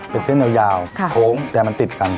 เป็นเส้นยาวโค้งแต่มันติดกัน